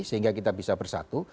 sehingga kita bisa bersatu